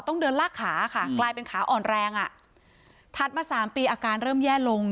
ต้องเดินลากขาค่ะกลายเป็นขาอ่อนแรงอ่ะถัดมาสามปีอาการเริ่มแย่ลง